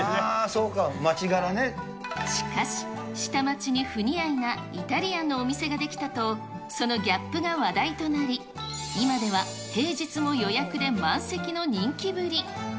そうか、しかし、下町に不似合いなイタリアンのお店が出来たと、そのギャップが話題となり、今では平日も予約で満席の人気ぶり。